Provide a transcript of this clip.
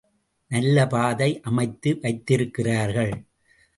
நல்ல பாதை அமைத்து வைத்திருக்கிறார்கள்.